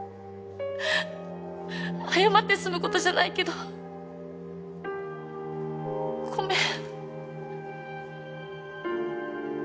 謝って済む事じゃないけどごめん。